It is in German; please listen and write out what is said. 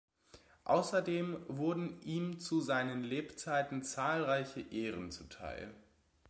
Außerdem wurden ihm zu seinen Lebzeiten zahlreiche Ehren zuteil.